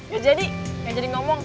gak jadi gak jadi ngomong